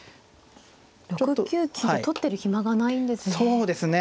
６九金を取ってる暇がないんですね。